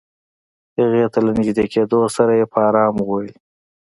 هغې ته له نژدې کېدو سره يې په آرامه وويل.